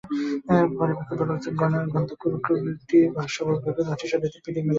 পরে বিক্ষুব্ধ লোকজন গন্ধগোকুলটিকে বাঘশাবক ভেবে লাঠিসোঁটা দিয়ে পিটিয়ে মেরে ফেলে।